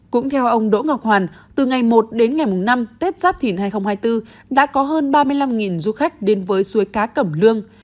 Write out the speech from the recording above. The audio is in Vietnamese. cũng theo ông đỗ ngọc hoàn từ ngày một đến ngày năm tết giáp thìn hai nghìn hai mươi bốn đã có hơn ba mươi năm du khách đến với suối cá cẩm lương